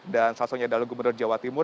dan salah satunya adalah gubernur jawa timur